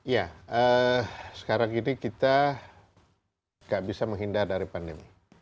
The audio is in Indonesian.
ya sekarang ini kita gak bisa menghindar dari pandemi